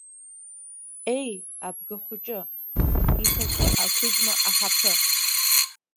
Еи, Абгахәыҷы, иҭакы Ақәыџьма аҳаԥы.